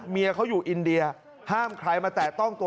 เมียเขาอยู่อินเดียห้ามใครมาแตะต้องตัว